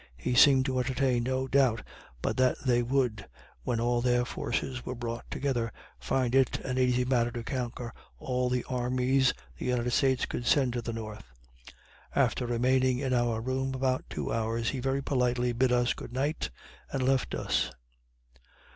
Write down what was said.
He seemed to entertain no doubt but that they would, when all their forces were brought together, find it an easy matter to conquer all the armies the United States could send to the north. After remaining in our room about two hours, he very politely bid us good night, and left us.